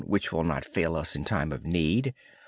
He will not fail us in time of need.